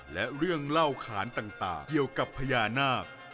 และเรื่องเล่าขานต่างเกี่ยวกับพญานาค